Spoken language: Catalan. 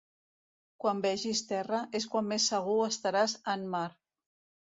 Quan vegis terra és quan més segur estaràs en mar.